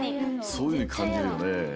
そういうふうにかんじるよね。